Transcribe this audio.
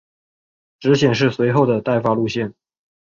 只显示随后的待发线路。